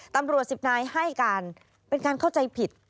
ตำรวจสิบนายให้การเป็นการเข้าใจผิด